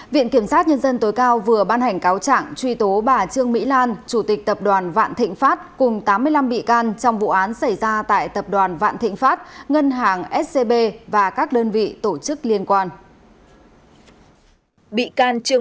viện kiểm sát nhân dân tối cao vừa ban hành cáo trạng truy tố bà trương mỹ lan chủ tịch tập đoàn vạn thịnh pháp cùng tám mươi năm bị can trong vụ án xảy ra tại tập đoàn vạn thịnh pháp ngân hàng scb và các đơn vị tổ chức liên quan